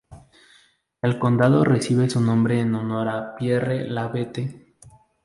El condado recibe su nombre en honor a Pierre La Bette.